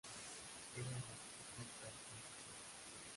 Era un motociclista entusiasta.